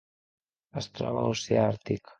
Es troba a l'oceà Àrtic.